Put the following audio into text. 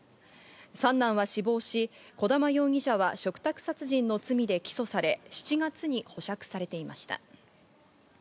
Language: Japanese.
三男は死亡し、小玉容疑者は嘱託殺人の罪で起訴され、７月に保釈されていました。